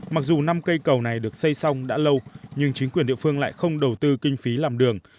mặc dù năm cây cầu này được xây xong đã lâu nhưng chính quyền địa phương lại không đầu tư kinh phí làm đường